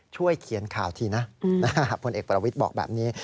ช่วยเขียนข่าวทีนะพลเอกประวิทย์บอกแบบนี้